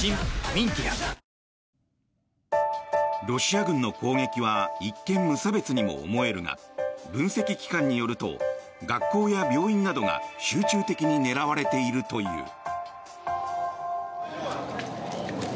ロシア軍の攻撃は一見、無差別にも思えるが分析機関によると学校や病院などが集中的に狙われているという。